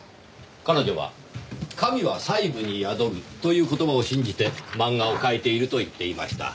彼女は「神は細部に宿る」という言葉を信じて漫画を描いていると言っていました。